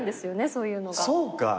そういうのが。